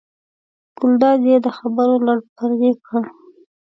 ګلداد یې د خبرو لړ پرې کړ.